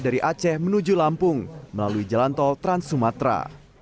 dari aceh menuju lampung melalui jalan tol trans sumatera